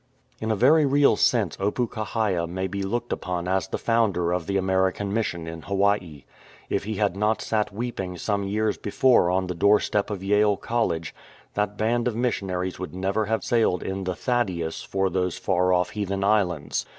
In a very real sense Opukahaia may be looked upon as the founder of the American mission in Hawaii. If he had not sat weeping some years before on the doorstep of Yale College, that band of missionaries would never have sailed in the Thaddeus for those far off heathen islands.